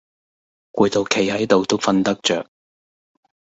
攰到企係到都訓得著